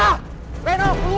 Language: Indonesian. habis ibu selamat siang